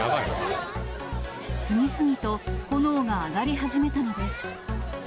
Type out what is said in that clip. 次々と、炎が上がり始めたのです。